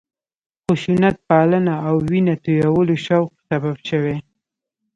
خشونتپالنه او وینه تویولو شوق سبب شوی.